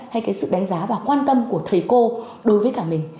hay cái sự đánh giá và quan tâm của thầy cô đối với cả mình